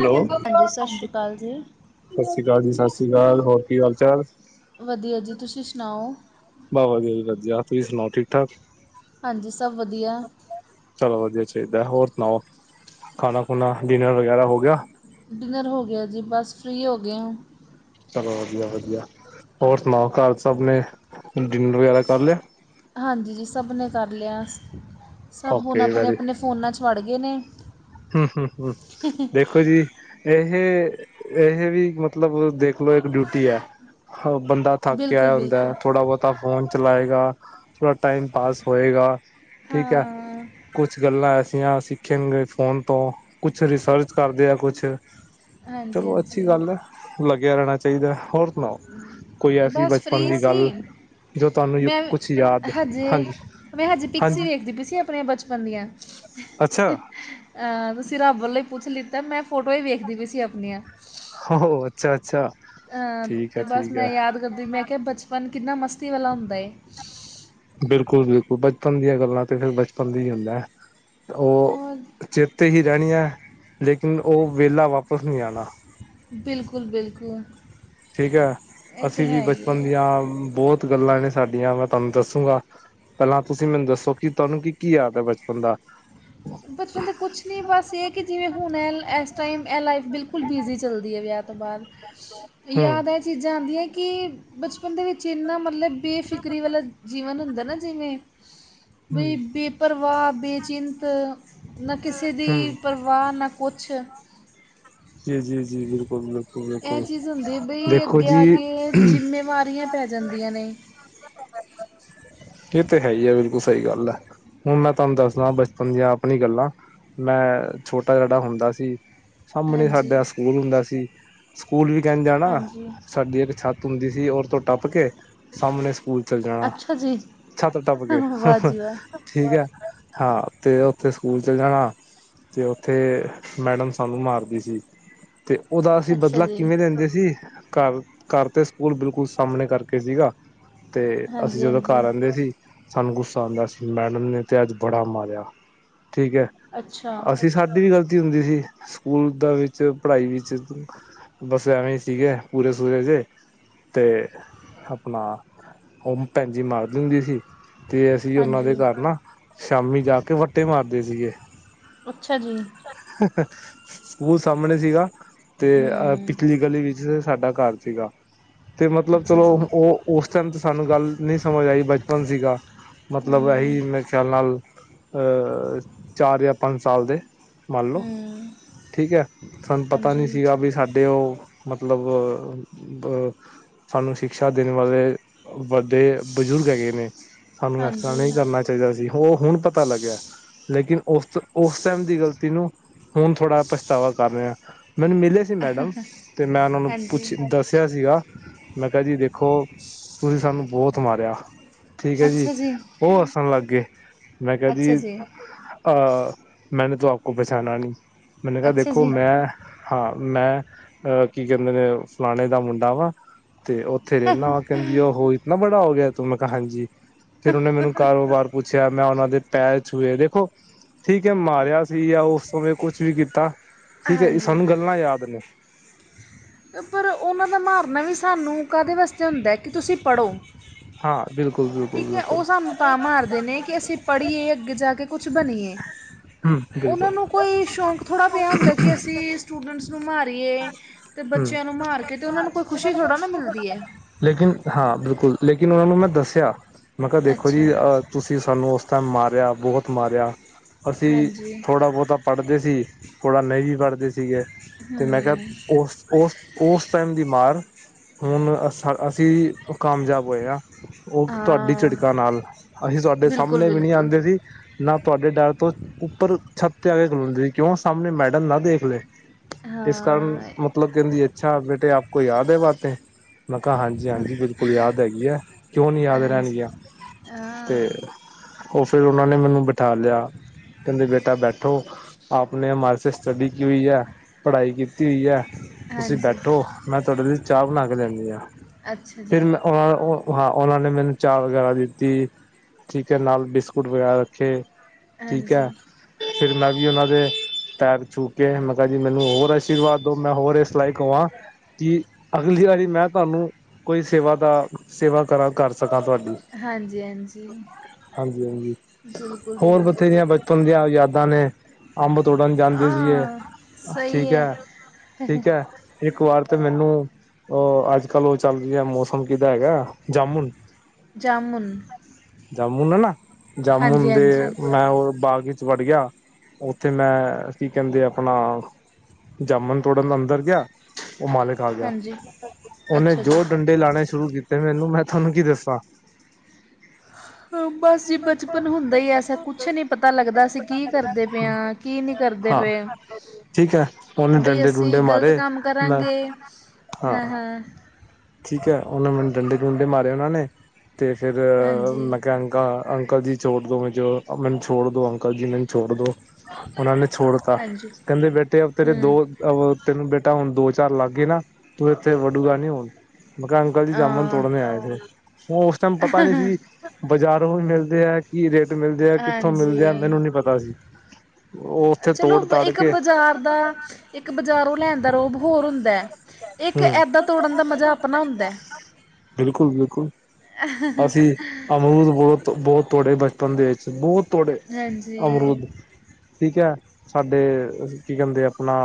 Hello, ਹਾਂਜੀ ਸਤਿ ਸ਼੍ਰੀ ਅਕਾਲ ਜੀ ਸਸ ਸ੍ਰੀ ਕਾਲ ਜੀ, ਸਸ ਸ੍ਰੀ ਕਾਲ, ਹੋਰ ਕੀ ਹਾਲ ਚਾਲ। ਵਦੀਆ ਜੀ ਤੁਸੀਂ ਸੁਣਾਓ। ਬਅ ਜੀ ਵਧੀਆ ਤੁਸੀਂ ਸੁਣਾਓ ਠੀਕ ਠਾਕ। ਹਾਂਜੀ ਸਭ ਵਦੀਆ। ਚਲੋ ਵਦੀਆ ਚਾਈਦੈ, ਹੋਰ ਸੁਣਾਓ ਖਾਣਾ ਖੂਣਾ ਡਿਨਰ ਵਗੈਰਾ ਹੋ ਗਿਆ। ਡਿਨਰ ਹੋ ਗੇਆ ਜੀ ਬਸ ਫ੍ਰਰੀ ਹੋ ਗਏਆਂ। ਚਲੋ ਵਦੀਆ-ਵਦੀਆ ਹੋਰ ਸੁਣਾਓ ਘਰ ਸਭ ਨੇ ਡਿੱਨਰ ਵਗੈਰਾ ਕਰ ਲੇਐ। ਹਾਂਜੀ ਜੀ ਸਭ ਨੇ ਕਰ ਲਿਆ, ਸਭ ਹੁਣ ਓਕੇ ਵੈਰੀ ਆਪਣੇ-ਆਪਣੇ ਫੋਨਾਂ ਚ ਵੜ ਗਏ ਨੇ। ਦੇਖੋ ਜੀ। ਏਹ-ਏਹ ਵੀ ਮਤਲਬ ਦੇਖ ਲਓ ਇੱਕ ਡਿਊਟੀ ਐ, ਬੰਦਾ। ਥੱਕ ਕੇ ਬਿਲਕੁਲ ਆਇਆ ਹੁੰਦਾ, ਬਿਲਕੁਲ ਥੋੜ੍ਹਾ ਬਹੁਤਾ ਫੋਨ ਚਲਾਏਗਾ, ਥੋੜਾ ਟਾਈਮ ਪਾਸ ਹੋਏਗਾ। ਠੀਕ ਹੈ, ਹਾਂ ਕੁਛ ਗੱਲਾਂ ਐਸੀਆਂ ਸਿੱਖਣਗੇ। ਫੋਨ ਤੋਂ ਕੁਛ ਰਿਸਰਚ ਕਰਦੇ ਆ ਕੁਛ ਹਾਂਜੀ ਚਲੋ ਅੱਛੀ ਹਾਂਜੀ ਗੱਲ ਆ। ਲੱਗਿਆ ਰਹਿਣਾ ਚਾਈਦਾ ਹੋਰ ਸੁਣਾਓ। ਕੋਈ ਐਸੀ ਬਸ ਬਚਪਨ ਫ੍ਰੀ ਦੀ ਸੀ। ਗੱਲ ਜੋ ਤੁਹਾਨੂੰ ਮੈਂ ਕੁਛ ਯਾਦ ਹਜੇ ਹਾਂਜੀ ਮੈਂ ਹਜੀ ਪਿਕਸੀ ਹਾਂਜੀ ਵੇਖਦੀ ਪਈ ਸੀ ਆਪਣੇ ਬਚਪਨ ਦੀਆਂ ਅੱਛਾ। ਅ ਤੁਸੀਂ ਰੱਬ ਵੱਲੋਂ ਹੀ ਪੁੱਛ ਲਿੱਤਾ ਮੈਂ ਫੋਟੋ ਹੀ ਵੇਖਦੀ ਪਈ ਸੀ ਆਪਣੀਆਂ। ਹੋ ਅੱਛਾ-ਅੱਛਾ। ਅਹ ਤੇ ਬਸ ਮੈਂ ਯਾਦ ਕਰਦੀ ਮੈਂ ਕਿਹਾ ਬਚਪਨ ਕਿੰਨਾ ਮਸਤੀ ਵਾਲਾ ਹੁੰਦਾ ਏ। ਬਿਲਕੁਲ-ਬਿਲਕੁਲ ਬਚਪਨ ਦੀਆਂ ਗੱਲਾਂ ਤੇ ਫਿਰ ਬਚਪਨ ਦੀ ਹੀ ਹੁੰਦਾ ਆ ਹੋਰ। ਚੇਤੇ ਹੀ ਰਹਿਣੀ ਆ ਲੇਕਿਨ ਓ ਵਿਹਲਾ ਵਾਪਿਸ ਨੀ ਆਣਾ। ਬਿਲਕੁਲ-ਬਿਲਕੁਲ। ਠੀਕ ਆ, ਅਸੀਂ ਵੀ ਬਚਪਨ ਦੀਆਂ ਬਹੁਤ ਗੱਲਾਂ ਨੇ ਸਾਡੀਆਂ ਮੈਂ ਤੁਹਾਨੂੰ ਦੱਸੂੰਗਾ। ਪਹਿਲਾਂ ਤੁਸੀਂ ਮੈਨੂੰ ਦੱਸੋ ਕਿ ਤੁਹਾਨੂੰ ਕੀ-ਕੀ ਯਾਦ ਆ ਬਚਪਨ ਦਾ? ਬਚਪਨ ਦਾ ਕੁਛ ਨੀ ਬਸ ਐ ਕਿ ਜਿਵੇਂ ਹੁਣ ਐ ਇਸ ਟਾਈਮ ਐ ਲਾਈਫ ਬਿਲਕੁਲ ਬਿਜ਼ੀ ਚੱਲਦੀ ਆ ਵਿਆਹ ਤੋਂ ਬਾਦ। ਹਮ ਯਾਦ ਆ। ਚੀਜ਼ਾਂ ਆਂਦੀਆਂ ਕਿ ਬਚਪਨ ਦੇ ਵਿੱਚ ਇੰਨਾ ਮਤਲਬ ਬੇਫਿਕਰੀ ਵਾਲਾ ਜੀਵਨ ਹੁੰਦਾ ਨਾ ਜਿਵੇਂ। [inaudible] ਬਈ ਬੇਪਰਵਾਹ, ਬੇਚਿੰਤ। ਨਾ ਕਿਸੇ ਦੀ ਹਮ ਪਰ ਪਰਵਾਹ ਨਾ ਕੁਛ ਜੀ-ਜੀ-ਜੀ ਬਿਲਕੁਲ-ਬਿਲਕੁਲ। ਐ ਚੀਜ਼ ਹੁੰਦੀ ਬਈ ਅੱਗੇ ਆ ਕੇ ਜ਼ਿੰਮੇਵਾਰੀਆਂ ਪੈ ਜਾਂਦੀਆਂ ਨੇ। ਏ ਤੇ ਹੈ ਈ ਆ ਬਿਲਕੁਲ ਸ‌ਈ ਗੱਲ ਆ। ਹੁਣ ਮੈਂ ਤਾਨੂੰ ਦੱਸਦਾ ਬਚਪਨ ਦੀਆਂ ਆਪਣੀ ਗੱਲਾਂ। ਮੈਂ ਛੋਟਾ ਜੇੜਾ ਹੁੰਦਾ ਸੀ। ਸਾਮਣੇ ਹਾਂਜੀ ਸਾਡਾ ਸਕੂਲ ਹੁੰਦਾ ਸੀ। ਸਕੂਲ ਵੀ ਕੇਂਜ ਜਾਣਾ ਹਾਂਜੀ ਸਾਡੀ ਇੱਕ ਛੱਤ ਹੁੰਦੀ ਸੀ ਔਰ ਤੋਂ ਟੱਪ ਕੇ ਸਾਮਣੇ ਚਲ ਜਾਨਾ। ਅੱਛਾ ਜੀ ਛਤ ਟਪ ਕੇ। ਵਾਹ ਜੀ ਵਾਹ ਠੀਕ ਐ ਹਾਂ ਤੇ ਓਥੇ ਸਕੂਲ 'ਚ ਜਾਣਾ ਤੇ ਓਥੇ ਮੈਡਮ ਸਾਨੂੰ ਮਾਰਦੀ ਸੀ। ਤੇ ਓਦਾ ਅਸੀਂ ਅੱਛਾ ਬਦਲਾ ਜੀ ਕਿਵੇਂ ਲੈਂਦੇ ਸੀ ਘਰ-ਘਰ ਤੇ ਸਕੂਲ ਬਿਲਕੁਲ ਸਾਮਣੇ ਕਰਕੇ ਸੀਗਾ। ਤੇ ਅਸੀਂ ਹਾਂਜੀ ਜਦੋਂ ਘਰ ਹਾਂਜੀ ਆਂਦੇ ਸੀ। ਸਾਨੂੰ ਗੁੱਸਾ ਆਂਦਾ ਸੀ ਮੈਡਮ ਨੇ ਤੇ ਅੱਜ ਬੜਾ ਮਾਰਿਆ। ਠੀਕ ਆ। ਅੱਛਾ ਅਸੀਂ ਸਾਡੀ ਵੀ ਗ਼ਲਤੀ ਹੁੰਦੀ ਸੀ। ਸਕੂਲ ਦਾ ਵਿੱਚ ਪੜ੍ਹਾਈ ਵਿੱਚ। ਬਸ ਐਵੇਂ ਈ ਸੀਗੇ ਪੂਰੇ ਸੂਰੇ ਜੇ। ਤੇ ਆਪਣਾ ਓਮ ਭੈਣਜੀ ਮਾਰਦੀ ਹੁੰਦੀ ਸੀ। ਤੇ ਅਸੀਂ ਓਨਾਂ ਹਾਂਜੀ ਦੇ ਘਰ ਨਾ ਸ਼ਾਮੀ ਜਾ ਕੇ ਵੱਟੇ ਮਾਰਦੇ ਸੀਗੇ। ਅੱਛਾ ਜੀ। ਆਹ ਆਹ। ਸਕੂਲ ਸਾਮਣੇ ਸੀਗਾ। ਤੇ ਅ ਹੂੰ ਪਿਛਲੀ ਗਲੀ ਵਿੱਚ ਸਾਡਾ ਘਰ ਸੀਗਾ। ਤੇ ਮਤਲਬ ਅੱਛਾ ਚਲੋ ਜੀ ਓ ਓ ਓਸ ਸਮਝ ਸਾਨੂੰ ਗੱਲ ਨ‌ਈ ਸਮਝ ਆਈ ਬਚਪਨ ਸੀਗਾ। ਮਤਲਬ ਹੂੰ ਐਈ ਖਿਆਲ ਨਾਲ -ਅ- ਚਾਰ ਜਾਂ ਪੰਜ ਸਾਲ ਦੇ। ਮੰਨ ਲੋ। ਹੂੰ ਠੀਕ ਐ- ਸਾਨੂੰ ਪਤਾ ਨੀ ਹਾਂਜੀ ਸੀਗਾ ਵੀ ਸਾਡੇ ਓ ਮਤਲਬ ਅ ਸਾਨੂੰ ਸ਼ਿਕਸ਼ਾ ਦੇਨ ਵਾਲੇ- ਵੱਡੇ ਬਜ਼ੁਰਗ ਹੈਗੇ ਨੇ, ਸਾਨੂੰ ਐਸ ਤਰਾਂ ਹਾਂਜੀ ਨਈ ਕਰਨਾ ਚਾਈਦਾ ਸੀ। ਓ ਹੁਨ ਪਤਾ ਲੱਗੇਐ ਲੇਕਿਨ ਓਸ-ਓਸ ਟੈਮ ਦੀ ਗ਼ਲਤੀ ਨੂੰ ਹੁਨ ਥੋੜਾ ਪਛਤਾਵਾ ਕਾਰ ਰੇਆ‌ਂ। ਮੈਨੂੰ ਮਿਲੇ ਜੇ ਮੈਡਮ, ਤੇ ਮੈਂ ਓਨਾਂ ਨੂੰ ਹਾਂਜੀ ਪੁੱਛ ਦੱਸੇਆ ਸੀਗਾ। ਮੈਂ ਕੇਆ ਜੀ ਦੇਖੋ ਤੁਸੀ ਸਾਨੂੰ ਬੋਤ ਮਾਰੇਆ। ਠੀਕ ਐ ਜੀ, ਓ ਹੱਸਨ ਲਾੱਗ ਗੇ। ਮੈਂ ਕੇਆ ਜੀ ਅ ਮੈਨੇ ਤੋ ਆਪ ਕੋ ਪਛਾਨਾ ਨੀ, ਮੈਨੇ ਕਾ ਅੱਛਾ ਦੇਖੋ ਜੀ ਮੈਂ ਹਾਂ, ਮੈਂ ਅ ਕੀ ਕੈਂਦੇ ਨੇ ਓ ਫਲਾਨੇ ਦਾ ਮੁੰਡਾ ਵਾਂ, ਤੇੇ ਓ ਥੇਰੇ ਨਾ ਓ ਕੈਂਦੀ ਓ ਹੋ ਇਤਨਾ ਬੜਾ ਹੋ ਗੇਆ ਤੂੰ। ਮੈਂ ਕੇਆ ਹਾਂਜੀ, ਫੇਰ ਓਨੇ ਮੈਨੂੰ ਕਾਰੋਬਾਰ ਪੁੱਛੇਆ, ਮੈਂ ਓਨਾਂ ਦੇ ਪੈਰ ਛੂਏ, ਦੇਖੋ ਠੀਕ ਐ ਮਾਰੇਆ ਸੀ ਯਾ ਓਸ ਸਮੇਂ ਕੁਛ ਵੀ ਕੀਤਾ, ਠੀਕ ਐ ਹਾਂਜੀ ਸਾਨੂੰ ਗੱਲਾਂ ਯਾਦ ਨੇ। ਪਰ ਓਨਾਂ ਦਾ ਮਾਰਨਾ ਵੀ ਸਾਨੂੰ ਕਾਦੇ ਵਾਸਤੇ ਹੁੰਦੈ ਕਿ ਤੁਸੀ ਪੜੋ। ਹਾਂ, ਬਿਲਕੁਲ। ਬਿਲਕੁਲ ਠੀਕ ਐ ਬਿਲਕੁਲ ਓ ਸਾਨੂੰ ਤਾਂ ਮਾਰਦੇ ਨੇ ਕੇ ਅਸੀ ਪੜੀਏ, ਅੱਗੇ ਜਾ ਕੇ ਕੁਛ ਬਨੀਏ। ਹਮ ਬਿਲਕੁਲ ਓਨਾਂ ਨੂੰ ਕੋਈ ਸ਼ੌਂਕ ਥੋੜਾ ਪੇਆ ਹੁੰਦੈ ਕਿ ਅਸੀ ਸਟੂਡੈਂਟਸ ਨੂੰ ਮਾਰੀਏ, ਤੇ ਹਮ ਬੱਚੇਆਂ ਨੂੰ ਮਾਰ ਕੇ ਤੇ ਓਨਾਂ ਨੂੰ ਕੋਈ ਖੁਸ਼ੀ ਥੋੜਾ ਨਾ ਮਿਲਦੀ ਏ। ਲੇਕਿਨ ਹਾਂ, ਬਿਲਕੁਲ ਲੇਕਿਨ ਓਨਾਂ ਨੂੰ ਮੈਂ ਦੱਸੇਆ, ਮੈਂ ਕਾ ਦੇਖੋ ਅੱਛਾ ਜੀ ਅ ਤੁਸ ਤੁਸੀ ਸਾਨੂੰ ਓਸ ਟੈਮ ਮਾਰੇਆ, ਬੋਤ ਮਾਰੇਆ। ਅਸੀ ਹਾਂਜੀ ਥੋੜਾ ਬੋਤਾ ਪੜਦੇ ਸੀ, ਥੋੜਾ ਨ‌ਈ ਵੀ ਪੜਦੇ ਸੀਗੇ। ਤੇ ਮੈਂ ਕੇਆ ਹੂੰ ਓਸ-ਓਸ, ਓਸ ਟੈਮ ਦੀ ਮਾਰ ਹੁਨ ਅਸ ਹ ਅਸੀ ਕਾਮਜਾਬ ਹੋਏ ਆਂ। ਓ ਤੁਆਡੀ ਹਾਂ ਝਿੜਕਾਂ ਨਾਲ, ਅਹੀ ਤੁਆਡੇ ਬਿਲਕੁਲ ਸਾਮਨੇ ਵੀ ਨੀ ਬਿਲਕੁਲ ਆਂਦੇ ਸੀ। ਨਾ ਤੁਆਡੇ ਡਰ ਤੋ ਉੱਪਰ ਛਾੱਤ ਤੇ ਆ ਕੇ ਖਲੋਂਦੇ ਸੀ ਕਿਓਂ ਸਾਮਨੇ ਮੈਡਮ ਨਾ ਦੇਖ ਲੇ। ਇਸ ਕਾਰਨ ਹਾਂ ਮਤਲਬ ਕੈਂਦੀ ਅੱਛਾ ਬੇਟੇ ਆਪ ਕੋ ਯਾਦ ਐ ਬਾਤੇਂ। ਮੈਂ ਕਾ ਹਾਂਜੀ-ਹਾਂਜੀ ਬਿਲਕੁਲ ਯਾਦ ਹੈਗੀਐਂ ਕਿਓਂ ਨੀ ਯਾਦ ਹਾਂਜੀ ਰੈਨਗੀਆਂ ਹਾਂ ਤੇ ਓ ਫੇਰ ਓਨਾਂ ਨੇ ਮੈਨੂੰ ਬਿਠਾ ਲੇਆ। ਕੈਂਦੇ ਬੇਟਾ ਬੈਠੋ, ਆਪਨੇ ਹਮਾਰੇ ਸੇ ਸਟੱਡੀ ਕੀ ਹੁਈ ਐ। ਪੜਾਈ ਕੀਤੀ ਹੁਈ ਐ, ਤੁਸੀ ਹਾਂਜੀ ਬੈਠੋ। ਮੈਂ ਤੁਆਡੇ ਲਈ ਚਾ ਬਨਾ ਕੇ ਲੇਆਨੀ ਆ। ਅੱਛਾ ਜੀ। ਫੇਰ ਮੈਂ ਓਨਾਂ ਨੇ, ਓ ਹਾਂ ਓਨਾਂ ਨੇ ਮੈਨੂੰ ਚਾ ਵਗੈਰਾ ਦਿੱਤੀ। ਠੀਕ ਐ ਨਾਲ ਬਿਸਕੁਟ ਵਗੈਰਾ ਰੱਖੇ। ਠੀਕ ਹਾਂਜੀ ਐ ਫਿਰ ਮੈਂ ਵੀ ਓਨਾਂ ਦੇ ਪੈਰ ਛੂ ਕੇ, ਮੈਂ ਕਾ ਜੀ ਮੈਨੂੰ ਹੋਰ ਆਸ਼ੀਰਵਾਦ ਦੋ, ਮੈਂ ਹੋਰ ਏਸ ਲਾਈਕ ਹੋਵਾਂ। ਕਿ ਅਗਲੀ ਵਾਰੀ ਮੈਂ ਤੋਆਨੂੰ ਕੋਈ ਸੇਵਾ ਦਾ, ਸੇਵਾ ਕਰਾਂ ਕਾਰ ਸਕਾਂ ਤੁਆਡੀ। ਹਾਂਜੀ-ਹਾਂਜੀ। ਹਾਂਜੀ-ਹਾਂਜੀ ਜੀ ਹੋਰ ਬਿਲਕੁਲ ਬਥੇਰੀਆਂ ਬਚਪਨ ਦੀਆਂ ਯਾਦਾਂ ਨੇ। ਅੰਬ ਤੋੜਨ ਜਾਂਦੇ ਸੀਗੇ, ਹਾਂ ਸਹੀ ਠੀਕ ਹੈ ਐ, ਠੀਕ ਐ। ਏਕ ਵਾਰ ਤੇ ਮੈਨੂੰ ਓ ਅੱਜ-ਕੱਲ ਓ ਚੱਲ ਰਿਐ, ਮੌਸਮ ਕਿਦਾ ਹੈਗੈ ਜਾਮੁਨ। ਜਾਮੁਨ। ਜਾਮੁਨ ਐ ਨਾ, ਹਾਂਜੀ ਜਾਮੁਨ ਦੇ ਹਾਂਜੀ ਮੈਂ ਓ ਬਾਗ਼ ਇ ਚ ਵਾੜ ਗੇਆ, ਓਥੇ ਮੈਂ ਕੀ ਕੈਂਦੇ ਅਪਨਾ ਜਾਮੁਨ ਤੋੜਨ ਅੰਦਰ ਗੇਆ। ਓ ਮਾਲਿਕ ਆ ਗੇਆ, ਹਾਂਜੀ ਓਨੇ ਅੱਛਾ ਜੀ ਜੋ ਡੰਡੇ ਲਾਨੇ ਸ਼ੁਰੂ ਕੀਤੇ ਮੈਨੂੰ ਮੈਂ ਥਾਨੂੰ ਕੀ ਦੱਸਾਂ। ਹਾਂ, ਬਾੱਸ ਜੀ ਬਚਪਨ ਹੁੰਦਾ ਈ ਐਸੈ ਕੁਛ ਨੀ ਪਤਾ ਲੱਗਦਾ ਅਸੀ ਕੀ ਕਰਦੇ ਪੇ ਆਂ। ਕੀ ਨਹੀਂ ਕਰਦੇ ਹਾਂ ਪਏ। ਠੀਕ ਹੈ ਉਹਨੇ ਬਈ ਡੰਡੇ ਅਸੀਂ ਡੁੰਡੇ ਗਲਤ ਮਾਰੇ ਕੰਮ ਮੈਂ ਕਰਾਂਗੇ। ਹਾਂ ਹੈਂ, ਹੈਂ ਠੀਕ ਹੈ, ਉਹਨੇ ਮੈਨੂੰ ਡੰਡੇ-ਡਡੇ ਮਾਰੇ ਉਹਨਾਂ ਨੇ ਤੇ ਫੇਰ ਹਾਂਜੀ, ਮੈਂ ਕਿਹਣ ਗਾ। ਅੰਕਲ ਜੀ ਛੋੜ ਦੋ ਮੁਜੇ, ਮੈਨੂੰ ਛੋੜ ਦੋ ਅੰਕਲ ਜੀ, ਮੈਨੂੰ ਛੋੜ ਦੋ। ਉਹਨਾਂ ਨੇ ਛੋੜਤਾ, ਹਾਂਜੀ, ਕਹਿੰਦੇ ਬੇਟੇ ਆ ਤੇਰੇ ਹੂੰ, ਦੋ ਤੈਨੂੰ ਬੇਟਾ ਹੁਣ ਦੋ -ਚਾਰ ਲੱਗ ਗਏ ਨਾ, ਤੂੰ ਇੱਥੇ ਵਡੂਗਾ ਨੀ ਹੁਣ। ਮੈ ਕਿਹਾ ਅੰਕਲ ਜੀ ਜਾਮਣ ਤੋੜਨ ਅ ਆਏ ਸੀ, ਉਸ ਟਾਈਮ ਪਤਾ ਨੀ ਸੀ ਬਾਜ਼ਾਰੋਂ ਵੀ ਮਿਲਦੇ ਹੈ। ਕੀ ਰੇਟ ਮਿਲਦੇ ਆ, ਕਿੱਥੋਂ ਮਿਲਦੇ ਆ, ਹਾਂਜੀ। ਮੈਨੂੰ ਨੀ ਪਤਾ ਸੀ। ਉਹ ਉੱਥੇ ਚਲੋ, ਤੋੜ ਤਾੜ ਇੱਕ ਕੇ ਬਜ਼ਾਰ ਦਾ ਇੱਕ ਬਜ਼ਾਰੋਂ ਲੈਣ ਦਾ ਰੋਬ ਹੋਰ ਹੁੰਦਾ, ਇੱਕ ਹੂੰ ਐੱਦਾਂ ਤੋੜਨ ਦਾ ਮਜ਼ਾ ਆਪਣਾ ਹੁੰਦਾ। ਬਿਲਕੁਲ- ਬਿਲਕੁਲ ਅਸੀਂ ਅਮਰੂਦ ਬਹੁਤ, ਬਹੁਤ ਤੋੜੇ ਬਚਪਨ ਦੇ ਵਿੱਚ ਬਹੁਤ ਤੋੜੇ ਹਾਂਜੀ, ਅਮਰੂਦ। ਠੀਕ ਹੈ, ਸਾਡੇ ਕੀ ਕਹਿੰਦੇ ਆਪਣਾ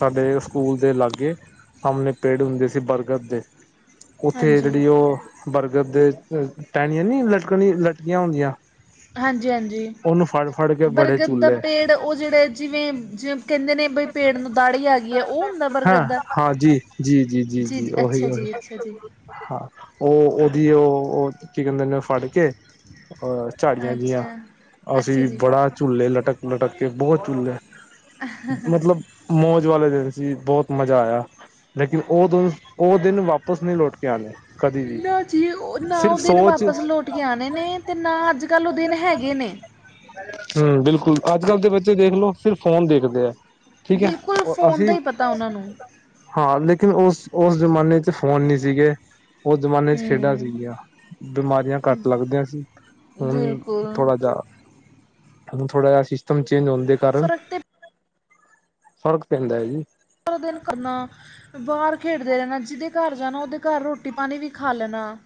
ਸਾਡੇ ਸਕੂਲ ਦੇ ਲਾਗੇ ਸਾਹਮਣੇ ਪੇੜ ਹੁੰਦੇ ਸੀ ਬਰਗਰ ਦੇ। ਉੱਥੇ ਹਾਂਜੀ, ਜਿਹੜੀ ਉਹ ਬਰਗਰ ਦੇ ਟਹਿਣੀਆਂ ਨੀ ਲਟਕਣੀ, ਲਟਕੀਆਂ ਹੁੰਦੀਆਂ। ਹਾਂਜੀ -ਹਾਂਜੀ, ਉਹਨੂੰ ਫੜ ਫੜ ਕੇ ਬੜੇ ਬਰਗਦ ਦਾ ਝੂਲੇ ਪੇੜ ਔਹ ਜਿਹੜੇ ਜਿਵੇਂ- ਜਿਵੇਂ ਕਹਿੰਦੇ ਨੇ ਬਈ ਪੇਟ ਨੂੰ ਦਾੜੀ ਆ ਗਈ ਹੈ, ਔਹ ਹੁੰਦਾ ਹਾਂ ਬਰਗਦ ਦਾ ਹਾਂ ਜੀ ਜੀ ਜੀ -ਜੀ, ਉਹੀ ਅੱਛਾ ਉਹੀ ਜੀ, ਅੱਛਾ ਜੀ। ਹਾਂ, ਔਹ ਉਹਦੀ ਔਹ ਕੀ ਕਹਿੰਦੇ ਨੇ ਫੜ ਕੇ ਅ ਝਾੜੀਆਂ ਜਿਹੀਆਂ, ਅੱਛਾ ਅੱਛਾ ਅਸੀਂ ਜੀ ਬੜਾ ਝੂਲੇ ਲਟਕ -ਲਟਕ ਕੇ ਬਹੁਤ ਝੂਲੇ। ਮਤਲਬ ਮੌਜ ਵਾਲੇ ਦਿਨ ਸੀ, ਬਹੁਤ ਮਜ਼ਾ ਆਇਆ ਲੇਕਿਨ ਔਹ ਦਿਨ ਔਹ ਦਿਨ ਵਾਪਿਸ ਨਹੀਂ ਲੁੱਟ ਕੇ ਆਉਣੇ ਕਦੀ ਵੀ, ਸਿਰਫ ਸੋਚ ਲੋਟ ਕੇ ਆਉਣੇ ਨੇ, ਤੇ ਨਾ ਅੱਜ, ਕੱਲ੍ਹ ਉਹ ਦਿਨ ਹੈਗੇ ਨੇ। ਹੂ, ਬਿਲਕੁਲ ਅੱੱਜ, ਕੱਲ ਦੇ ਬੱਚੇ ਦੇਖਲੋ ਸਿਰਫ ਫੋਨ ਦੇਖਦੇ ਆ। ਠੀਕ ਹੈ, ਬਿਲਕੁਲ ਔਰ ਫੋਨ ਅਸੀਂ ਦਾ ਹੀ ਪਤਾ ਉਹਨਾਂ ਨੂੰ ਹਾਂ, ਲੇਕਿਨ ਉਸ, ਉਸ ਜ਼ਮਾਨੇ ਚ' ਫੋਨ ਨਹੀਂ ਸੀਗੇ, ਉਸ ਜ਼ਮਾਨੇ ਚ' ਖੇਡਾਂ ਹੂੰ ਸੀਗੀਆਂ। ਬਿਮਾਰੀਆਂ ਘੱਟ ਲੱਗਦੀਆਂ ਸੀ, ਹੁਣ ਬਿਲਕੁਲ ਥੋੜਾ ਜਾ ਹੂੰ ਥੋੜਾ ਜਿਹਾ ਸਿਸਟਮ ਚੇਂਜ ਹੋਣ ਦੇ ਕਾਰਨ ਫਰਕ ਤੇ ਫ਼ਰਕ ਪੈਂਦਾ ਹੈ ਜੀ। ਪੰਦਰਾ ਦਿਨ ਕਰਨਾ ਬਾਹਰ ਖੇਡਦੇ ਰਹਿਣਾ, ਜਿਹਦੇ ਘਰ ਜਾਣਾ ਔਹਦੇ ਘਰ ਰੋਟੀ -ਪਾਣੀ ਵੀ ਖਾ ਲੈਣਾ।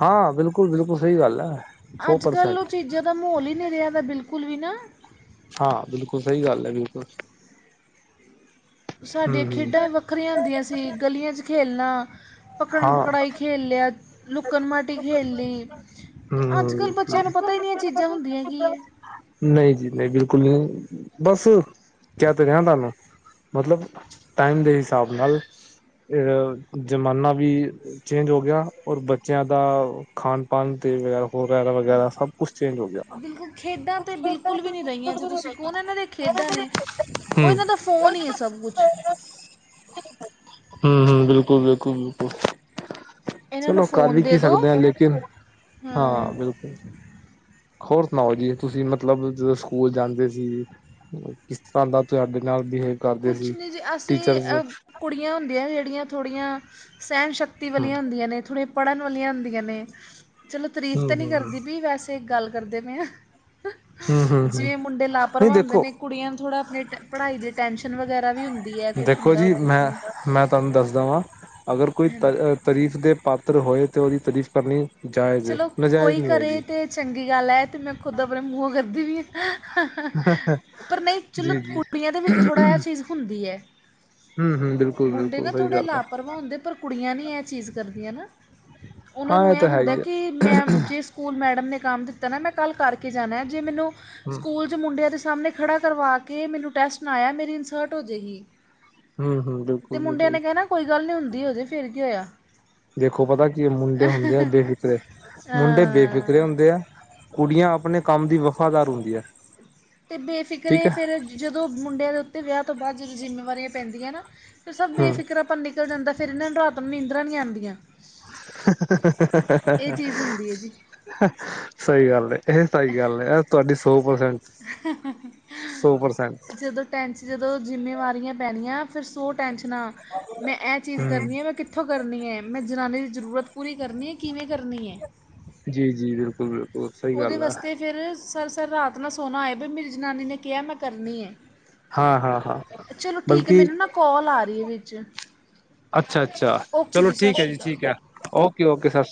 ਹਾਂ, ਬਿਲਕੁਲ- ਬਿਲਕੁਲ ਸਹੀ ਗੱਲ ਹੈ, ਸੌ ਪਰਸੈਂਟ। ਇਦਾ ਮਹੌਲ ਈ ਨੀ ਰਿਹਾ ਆ, ਬਿਲਕੁਲ ਵੀ ਨਾ ਹਾਂ ਬਿਲਕੁਲ ਸਹੀ ਗੱਲ ਐ ਬਿਲਕੁਲ। ਸਾਡੀਆਂ ਹਮ ਖੇਡਾਂ ਹ ਵੱਖਰੀਆਂ ਹੁੰਦੀਆਂ ਸੀ, ਗਲੀਆਂ ਚ ਖੇਲਣਾ ਪਕੜਨ, ਹਾਂ ਪਕੜਾਈ ਖੇਲ ਲਿਆ, ਲੁੱਕੜ ਮਾਟੀ ਖੇਲ ਲੀ। ਹਮ ਅੱਜ-ਕੱਲ੍ਹ ਬੱਚਿਆਂ ਬਿਲਕੁਲ ਨੂੰ ਪਤਾ ਈ ਨਹੀਂ, ਏਹ ਚੀਜ਼ਾਂ ਹੁੰਦੀਆਂ ਕੀ ਐ। ਨਹੀਂ ਜੀ ਨਹੀਂ ਬਿਲਕੁਲ ਨੀ ਬਸ, ਕਿਹ ਤੇ ਰਿਹਾ ਤੁਹਾਨੂੰ ਮਤਲਬ ਟਾਈਮ ਦੇ ਹਿਸਾਬ ਨਾਲ ਅਹ ਜ਼ਮਾਨਾ ਵੀ ਚੇਜ ਹੋ ਗਿਆ, ਔਰ ਬੱਚਿਆਂ ਦਾ ਖਾਣ-ਪਾਣ ਤੇ ਵਗ ਵਗੈਰਾ-ਵਗੈਰਾ ਸਭ ਕੁਛ ਚੇਂਜ ਹੋ ਗਿਆ, ਬਿਲਕੁਲ ਖੇਡਾਂ ਤਾਂ ਬਿਲਕੁਲ ਵੀ ਨਹੀਂ ਰਹੀਆਂ ਜੇ ਤੁਸੀਂ ਕਹੋ ਨਾ ਇਹਨਾਂ ਦੀਆਂ [unintelligible] ਖੇਡਾਂ ਨੇ ਔਹ ਹਮ ਇਹਨਾਂ ਦਾ ਫੋਨ ਹੀ ਐ ਸਭ ਕੁਛ। ਹੂੰ, ਬਿਲਕੁਲ, ਬਿਲਕੁਲ, ਬਿਲਕੁਲ। ਇਹਨਾਂ ਨੂੰ ਚਲੋ ਕਰ ਫੋਨ ਵੀ ਦੇ ਕੀ ਦਿਉ ਸਕਦੇ ਆ, ਲੇਕਿਨ ਹਾਂ ਬਿਲਕੁਲ। ਹੋਰ ਸੁਣਾਓ ਜੀ‌? ਤੁਸੀਂ ਮਤਲਬ ਜਦੋਂ ਸਕੂਲ ਜਾਂਦੇ ਸੀ। ਕਿਸ ਤਰ੍ਹਾਂ ਦਾ ਤੁਹਾਡੇ ਨਾਲ ਬਿਹੇਵ ਕੁਛ ਨਹੀਂ ਸੀ ਅਸੀਂ, ਟੀਚਰਸ ਹੂੰ ਅ ਕੁੜੀਆਂ ਹੁੰਦੀਆਂ ਜਿਹੜੀਆਂ ਥੋੜੀਆਂ ਸੈਹਣ ਸ਼ਕਤੀ ਵਾਲੀਆਂ ਹੁੰਦੀਆਂ ਨੇ ਥੋੜੇ ਪੜ੍ਹਨ ਵਾਲੀਆਂ ਹੁੰਦੀਆਂ ਨੇ ਚਲੋ ਤਾਰੀਫ਼ ਹੂੰ ਤੇ ਨੀ ਹੂੰ ਕਰਦੀ ਪਈ ਵੈਸੇ ਗੱਲ ਕਰਦੇ ਪਏ ਆ ਹੂੰ ਹੂੰ ਹੂੰ ਜਿਵੇਂ ਮੁੰਡੇ ਨਹੀਂ ਲਾਪਰਵਾਹ ਹੁੰਦੇ ਦੇਖੋ ਨੇ ਕੁੜੀਆਂ ਨੂੰ ਥੋੜਾ ਆਪਣੇ ਅ ਪੜ੍ਹਾਈ ਦੀ ਟੈਂਸ਼ਨ ਵਗੈਰਾ ਵੀ ਹੁੰਦੀ। ਹੈ ਕੁਛ ਦੇਖੋ ਹੁੰਦਾ ਜੀ ਔਰ ਕੁਛ ਮੈਂ ਨਹੀਂ ਮੈਂ ਤੁਹਾਨੂੰ ਦੱਸਦਾ ਵਾਂ ਅਗਰ ਕੋਈ ਤ ਹਾਂਜੀ ਅ ਤਰੀਫ਼ ਦੇ ਪਾਤਰ ਹੋਏ ਤੇ ਉਦੀ ਤਾਰੀਫ਼ ਕਰਨੀ ਚਲੋ [inaudible] ਕੋਈ ਕਰੇ ਹੈਗੀ ਤੇ ਚੰਗੀ ਗੱਲ ਐ ਤੇ ਮੈਂ ਖੁਦ ਆਪਣੇ ਮੂੰਹੋਂ ਕਰਦੀ ਪਈ ਆ ਪਰ ਨਈ ਚਲੋ ਜੀ ਜੀ ਕੁੜੀਆਂ ਦੇ ਵਿੱਚ ਥੋੜਾ ਐ ਚੀਜ਼ ਹੁੰਦੀ ਐ। ਹੂੰ-ਹੂੰ ਬਿਲਕੁ ਮੁੰਡੇ ਨਾ ਥੋੜੇ ਲਾਪਰਵਾਹ ਹੁੰਦੇ ਪਰ ਕੁੜੀਆਂ ਨਈ ਐਹ ਚੀਜ਼ ਕਰਦੀਆਂ ਨਾ ਉਨਾਂ ਹਾਂ ਨੂੰ ਇਹ ਐਹ ਤਾਂ ਹੈ ਹੀ ਹੁੰਦਾ ਹੈ ਕਿ ਮੈਂ ਜਿਸ ਸਕੂਲ ਮੈਡਮ ਨੇ ਕੰਮ ਦਿੱਤਾ ਨਾ ਮੈਂ ਕੱਲ ਕਰਕੇ ਜਾਣਾ ਜੇ ਮੈਨੂੰ ਹੂੰ ਸਕੂਲ 'ਚ ਮੁੰਡਿਆਂ ਦੇ ਸਾਮਣੇ ਖੜਾ ਕਰਵਾ ਕੇ ਮੈਨੂੰ ਟੈਸਟ ਨਾ ਆਏਆ ਮੇਰੀ ਇਨਸਰਟ ਹੋ ਜੇਗੀ। ਹੂੰ-ਹੂੰ। ਤੇ ਮੁੰਡਿਆਂ ਨੇ ਕਹਿਣਾ ਕੋਈ ਗੱਲ ਨੀ ਹੁੰਦੀ ਹੋਜੇ ਫੇਰ ਕੀ ਹੋਇਆ। ਦੇਖੋ ਪਤਾ ਕੀ ਮੁੰਡੇ ਹੁੰਦੇ ਆ ਬੇਫਿਕਰੇ ਮੁੰਡੇ ਬੇਫਿਕਰੇ ਹੁੰਦੇ ਆ। ਕੁੜੀਆਂ ਆਪਣੇ ਕੰਮ ਦੀ ਵਫ਼ਾਦਾਰ ਹੁੰਦੀਆਂ। ਤੇ ਬੇਫਿਕਰੇ ਏ ਫੇਰ ਜਦੋਂ ਮੁੰਡਿਆਂ ਦੇ ਉੱਤੇ ਵਿਆਹ ਤੋਂ ਬਾਦ ਜਦੋਂ ਜ਼ਿੰਮੇਵਾਰੀਆਂ ਪੈਂਦੀਆਂ ਨਾ ਫਿਰ ਸਭ ਹਮ ਬੇਫਿਕਰਾਂ ਪਨ ਨਿਕਲ ਜਾਂਦਾ ਫੇਰ ਏਨਾਂ ਨੂੰ ਰਾਤ ਨੂੰ ਨੀਂਦਰਾ ਨੀ ਆਦੀਆਂ। ਚੀਜ਼ ਹੁੰਦੀ ਹੈ ਜੀ ਸਹੀ ਗੱਲ ਏ। ਏਹ ਸਹੀ ਗੱਲ ਐ ਏ ਤੁਹਾਡੀ ਸੌ ਪਰਸੈਂਟ ਸੌ ਪਰਸੈਂਟ ਜਦੋਂ ਟੈਂਸ਼ 'ਚ ਜਦੋਂ ਜਿੰਮੇਵਾਰੀਆਂ ਪੈਣੀਆਂ ਫੇਰ ਸੋ ਟੈਂਸ਼ਨਾਂ ਮੈਂ ਐਹ ਚੀਜ਼ ਹਮ ਕਰਨੀ ਐ ਮੈਂ ਕਿੱਥੋਂ ਕਿੱਥੋਂ ਕਰਨੀ ਐ ਮੈਂ ਜਨਾਨੀ ਦੀ ਜ਼ਰੂਰਤ ਪੂਰੀ ਕਰਨੀ ਐ ਕਿਵੇਂ ਕਰਨੀ ਐ। ਜੀ-ਜੀ, ਬਿਲਕੁਲ-ਬਿਲਕੁਲ। ਓਦੇ ਵਾਸਤੇ ਫੇਰ ਸਰ ਸਾਰੀ ਰਾਤ ਨਾ ਸੋਣਾ ਐ ਵੀ ਮੇਰੀ ਜਨਾਨੀ ਨੇ ਕਿਆ ਮੈਂ ਕਰਨੀ ਏ। ਹਾਂ ਹਾਂ ਹਾਂ ਚਲੋ ਠੀਕ ਐ ਬਲਕਿ ਮੈਨੂੰ ਨਾ ਕੋਲ ਆ ਰਹੀ ਐ ਵਿੱਚ। ਅੱਛਾ-ਅੱਛਾ ਓਕੇ ਚਲੋ ਸਤਿ ਠੀਕ ਐ ਸ਼੍ਰੀ ਜੀ ਅਕਾਲ ਠੀਕ ਐ ਓਕੇ ਓਕੇ ਸਤਿ ਸ਼੍ਰੀ